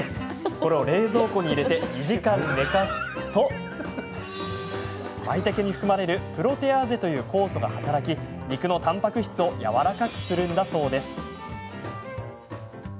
これを冷蔵庫に入れて２時間、寝かすとまいたけに含まれるプロテアーゼという酵素が働き肉のたんぱく質をやわらかくするんだそうです。